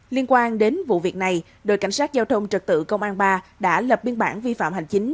liên quan đến vụ việc này đội cảnh sát giao thông trật tự công an ba đã lập biên bản vi phạm hành chính